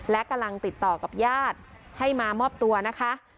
และกำลังติดต่อกับญาติให้มามอบตัวนะคะ